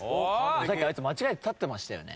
さっきあいつ間違えて立ってましたよね。